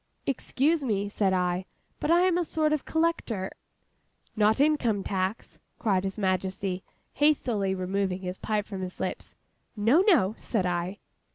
'Excuse me,' said I; 'but I am a sort of collector—' ''Not Income tax?' cried His Majesty, hastily removing his pipe from his lips. 'No, no,' said I.